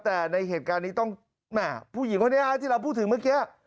แต่ในเหตุการณ์นี้ต้องแม่ผู้หญิงคนนี้ที่เราพูดถึงเมื่อกี้